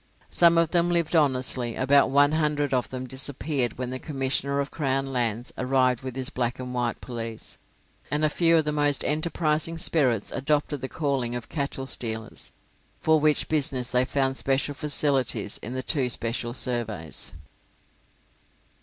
Some of them lived honestly, about one hundred of them disappeared when the Commissioner of Crown Lands arrived with his black and white police, and a few of the most enterprising spirits adopted the calling of cattle stealers, for which business they found special facilities in the two special surveys.